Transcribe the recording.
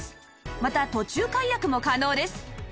また途中解約も可能です